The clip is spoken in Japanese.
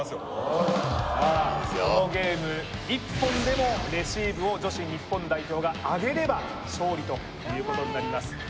このゲーム１本でもレシーブを女子日本代表が上げれば勝利ということになります